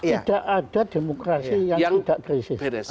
tidak ada demokrasi yang tidak krisis